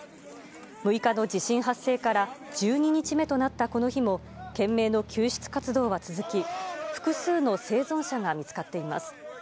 ６日の地震発生から１２日目となったこの日も、懸命の救出活動は続き、複数の生存者が見つかっています。